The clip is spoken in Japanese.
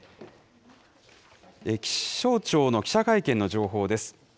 気象庁の記者会見の情報です。